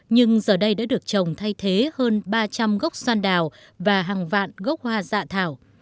nhưng giờ đây đã được trồng thay thế hơn ba trăm linh gốc xoan đào và hàng vạn gốc hoa dạ thảo